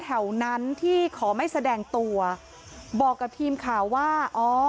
แถวนั้นที่ขอไม่แสดงตัวบอกกับทีมข่าวว่าอ๋อ